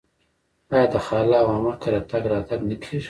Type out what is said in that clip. آیا د خاله او عمه کره تګ راتګ نه کیږي؟